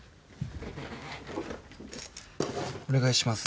お願いします。